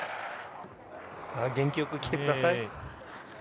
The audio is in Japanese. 元気よく来てください。